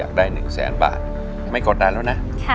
ทั้งในเรื่องของการทำงานเคยทำนานแล้วเกิดปัญหาน้อย